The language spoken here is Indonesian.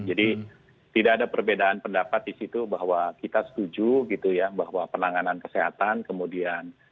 jadi tidak ada perbedaan pendapat di situ bahwa kita setuju gitu ya bahwa penanganan kesehatan kemudian